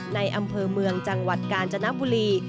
อำเภอเมืองจังหวัดกาญจนบุรี